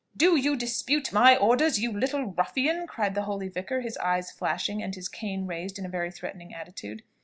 "Do you dispute my orders, you little ruffian?" cried the holy vicar, his eyes flashing, and his cane raised in a very threatening attitude.